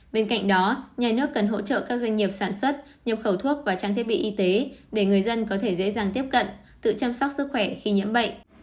bên cạnh đó nhà nước cần hỗ trợ các doanh nghiệp sản xuất nhập khẩu thuốc và trang thiết bị y tế để người dân có thể dễ dàng tiếp cận tự chăm sóc sức khỏe khi nhiễm bệnh